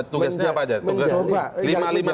tugasnya apa aja